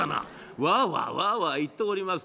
わあわあわあわあ言っておりますと。